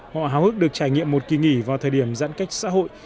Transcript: họ háo hức được trải nghiệm một kỳ nghỉ vào thời điểm giãn cách xã hội